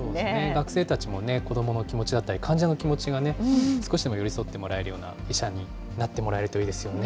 学生たちも子どもの気持ちだったり、患者の気持ちがね、少しでも寄り添ってもらえるような医者になってもらえるといいですよね。